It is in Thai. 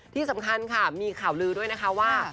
ที่สำคัญค่ะมีข่าวลือด้วยนะคะว่า